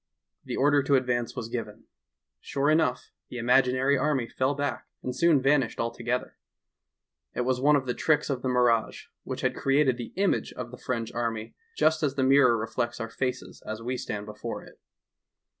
The order to advance was given. Sure enough, the imaginary army fell back, and soon vanished altogether. It was one of the tricks of the mi rage, which had created the image of the French army just as the mirror reflects our faces as we stand before it.